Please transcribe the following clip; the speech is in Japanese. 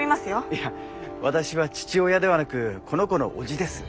いや私は父親ではなくこの子の叔父です。